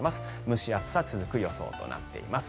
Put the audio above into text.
蒸し暑さ、続く予想となっています。